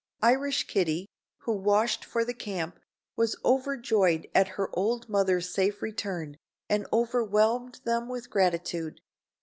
Irish Kitty, who washed for the camp, was overjoyed at her old mother's safe return and overwhelmed them with gratitude.